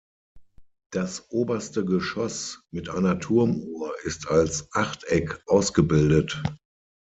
Das oberste Geschoss mit einer Turmuhr ist als Achteck ausgebildet.